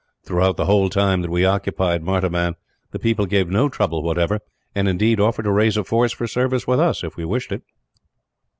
Throughout the whole time that we occupied Martaban, the people gave no trouble whatever and, indeed, offered to raise a force for service with us, if we wished it.